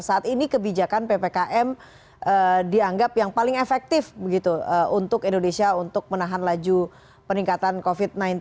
saat ini kebijakan ppkm dianggap yang paling efektif untuk indonesia untuk menahan laju peningkatan covid sembilan belas